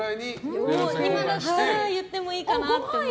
もう今だったら行ってもいいかなと。